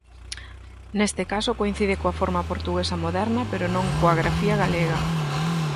Neste caso coincide coa forma portuguesa moderna pero non coa grafía galega.